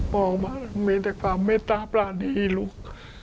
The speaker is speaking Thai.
มองค์มามีแต่ความเมตตาประณีลุก